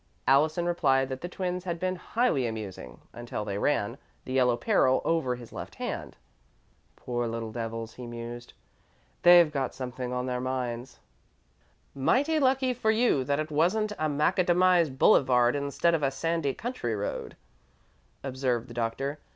Allison replied that the twins had been highly amusing until they ran "The Yellow Peril" over his left hand. "Poor little devils," he mused; "they've got something on their minds." "Mighty lucky for you that it wasn't a macadamised boulevard instead of a sandy country road," observed the doctor.